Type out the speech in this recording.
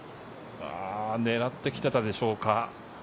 狙ってきていたでしょうか。